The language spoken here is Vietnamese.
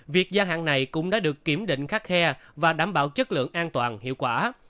việc gia hạn này cũng đã được kiểm định khắc khe và đảm bảo chất lượng an toàn hiệu quả